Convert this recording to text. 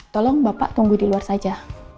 tolong bapak tunggu di luar saja